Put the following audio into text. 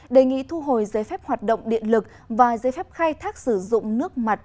đề nghị thu hồi giấy phép hoạt động điện lực và giấy phép khai thác sử dụng nước mặt